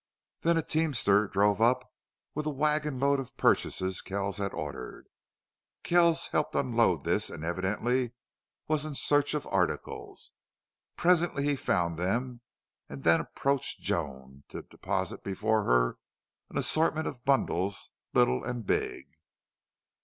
Then a teamster drove up with a wagon load of purchases Kells had ordered. Kells helped unload this and evidently was in search of articles. Presently he found them, and then approached Joan, to deposit before her an assortment of bundles little and big.